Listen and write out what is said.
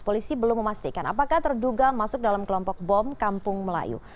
polisi belum memastikan apakah terduga masuk dalam kelompok bom kampung melayu